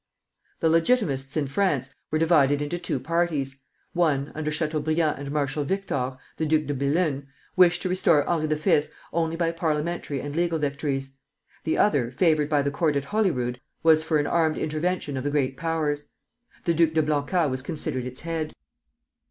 The Legitimists in France were divided into two parties. One, under Chateaubriand and Marshal Victor, the Duc de Bellune, wished to restore Henri V. only by parliamentary and legal victories; the other, favored by the court at Holyrood, was for an armed intervention of the Great Powers. The Duc de Blancas was considered its head.